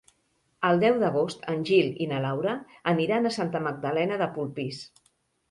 El deu d'agost en Gil i na Laura aniran a Santa Magdalena de Polpís.